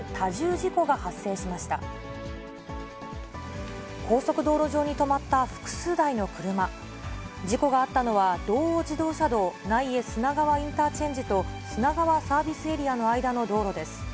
事故があったのは道央自動車道奈井江砂川インターチェンジと砂川サービスエリアの間の道路です。